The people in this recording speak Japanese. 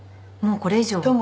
もうこれ以上は。